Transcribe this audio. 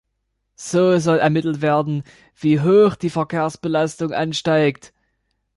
So soll ermittelt werden, wie hoch die Verkehrsbelastung ansteigt.